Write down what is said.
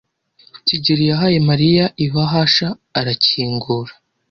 kigeli yahaye Mariya ibahasha arakingura.